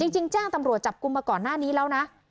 จริงแจ้งตำรวจจับกลุ่มมาก่อนหน้านี้แล้วนะ